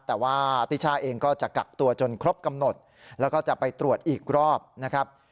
แต่ว่าติช่าเองก็จะกักตัวจนครบกำหนดแล้วก็จะไปตรวจอีกรอบนะครับ